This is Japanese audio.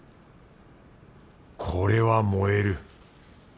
これは燃える。